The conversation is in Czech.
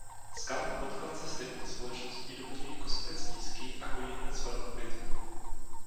Skalní podklad se stepní společností doplňují kosatec nízký a koniklec velkokvětý.